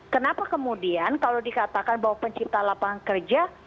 kenapa kemudian kalau dikatakan bahwa pencipta lapangan kerja